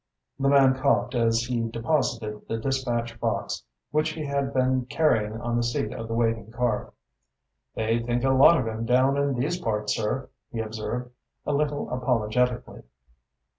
The man coughed as he deposited the dispatch box which he had been carrying on the seat of the waiting car. "They think a lot of him down in these parts, sir," he observed, a little apologetically.